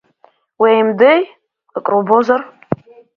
Уеимдеи, акрубозар.